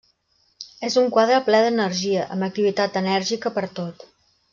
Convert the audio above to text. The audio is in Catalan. És un quadre ple d'energia, amb activitat enèrgica pertot.